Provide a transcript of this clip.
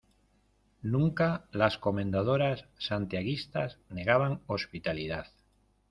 nunca las Comendadoras Santiaguistas negaban hospitalidad.